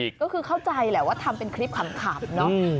ก็คือเข้าใจแหละว่าทำเป็นคลิปขำเนาะ